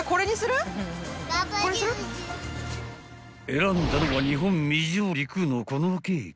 ［選んだのは日本未上陸のこのケーキ］